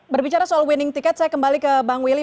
berbicara soal winning ticket saya kembali ke bang willy